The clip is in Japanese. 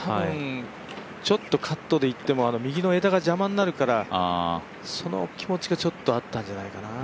ちょっとカットでいっても右の枝が邪魔になるからその気持ちがちょっとあったんじゃないかな。